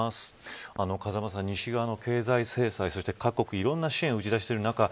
風間さん、西側の経済制裁そして各国、いろんな支援を打ち出している中